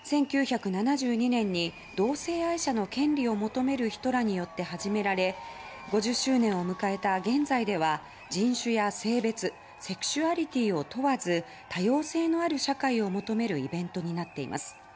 １９７２年に、同性愛者の権利を求める人らによって始められ５０周年を迎えた現在では人種や性別セクシュアリティーを問わず多様性のある社会を求めるイベントになっています。